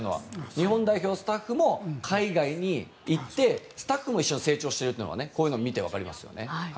日本代表スタッフも海外に行ってスタッフも一緒に成長しているというのがこういうのを見てわかりますよね。